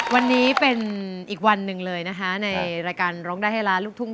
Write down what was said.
วันนี้เป็นอีกวันหนึ่งเลยนะคะในรายการร้องได้ให้ล้านลูกทุ่ง